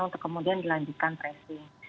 untuk kemudian dilanjutkan tracing